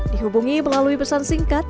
dihubungi melalui pesan singkat